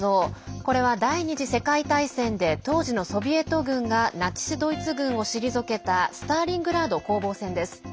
これは第２次世界大戦で当時のソビエト軍がナチス・ドイツ軍を退けたスターリングラード攻防戦です。